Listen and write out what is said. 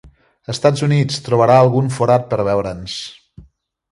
Estats Units, trobarà algun forat per veure'ns.